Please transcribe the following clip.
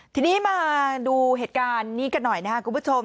ทีนี้มาดูเหตุการณ์นี้กันหน่อยนะครับคุณผู้ชม